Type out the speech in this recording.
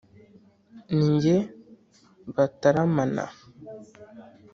ni jye bataramana.